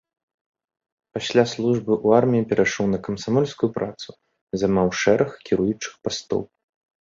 Пасля службы ў арміі перайшоў на камсамольскую працу, займаў шэраг кіруючых пастоў.